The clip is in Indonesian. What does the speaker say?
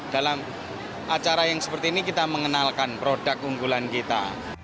dalam acara yang seperti ini kita mengenalkan produk unggulan kita